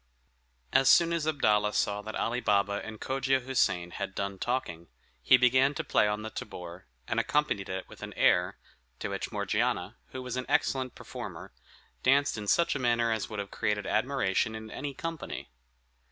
As soon as Abdalla saw that Ali Baba and Cogia Houssain had done talking, he began to play on the tabor, and accompanied it with an air, to which Morgiana, who was an excellent performer, danced in such a manner as would have created admiration in any company.